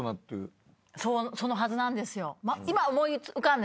そのはずなんですよ。